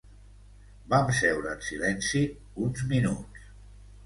Vam seure en silenci uns minuts.